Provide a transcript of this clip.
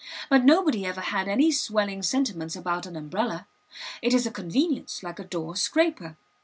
But nobody ever had any swelling sentiments about an umbrella; it is a convenience, like a door scraper.